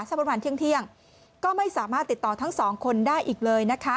ประมาณเที่ยงก็ไม่สามารถติดต่อทั้งสองคนได้อีกเลยนะคะ